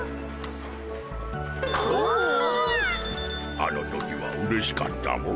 あの時はうれしかったモ。